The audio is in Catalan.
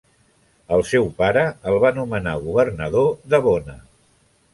El seu pare el va nomenar governador de Bona.